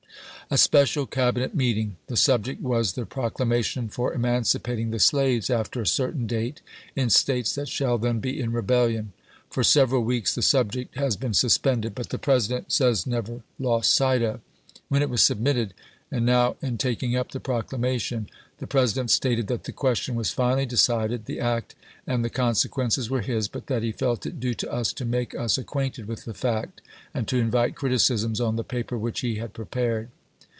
A special Cabinet meeting. The subject was the proc lamation for emancipating the slaves, after a certain date, in States that shall then be in rebellion. For several weeks the subject has been suspended, but the President says never lost sight of. When it was submitted, and now in taking up the proclamation, the President stated that the question was finally decided, — the act and the con sequences were his, — but that he felt it due to us to make us acquainted with the fact and to invite criticisms on the paper which he had prepared.